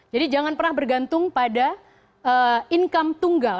jadi jangan pernah bergantung pada income tunggal